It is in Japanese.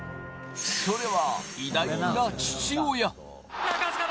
それは偉大な父親。